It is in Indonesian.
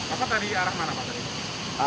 apa tadi arah mana